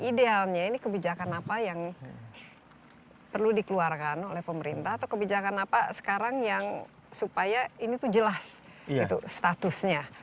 idealnya ini kebijakan apa yang perlu dikeluarkan oleh pemerintah atau kebijakan apa sekarang yang supaya ini tuh jelas statusnya